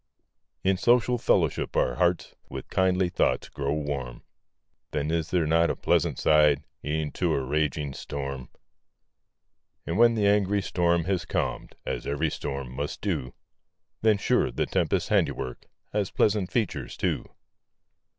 In social fellowship, our hearts With kindly thoughts grow warm; Then is there not a pleasant side, E'en to a raging storm? And when the angry storm has calm'd, As ev'ry storm must do, Then, sure, the tempest's handiwork, Has pleasant features, too.